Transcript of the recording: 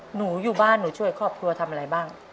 หนูอยู่บ้านหนูช่วยครอบครัวทำอะไรบ้าง